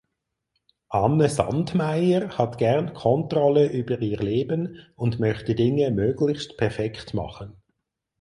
Anne Sandmeier hat gern Kontrolle über ihr Leben und möchte Dinge möglichst perfekt machen.